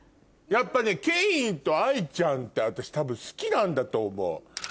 やっぱねケインと愛ちゃんって私多分好きなんだと思う。